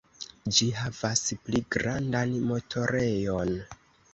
Ĝi havas pli grandan motorejon.